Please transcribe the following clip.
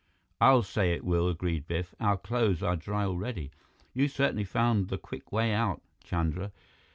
"I'll say it will," agreed Biff. "Our clothes are dry already. You certainly found the quick way out, Chandra."